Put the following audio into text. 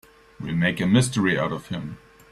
We'll make a mystery out of him.